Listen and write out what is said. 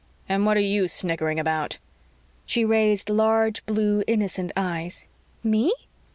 "And what are you snickering about." She raised large blue, innocent eyes. "Me?